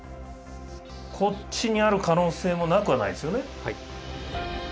こっちにある可能性もなくはないですよね。